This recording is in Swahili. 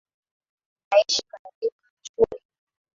Naishi karibu na chuo kikuu.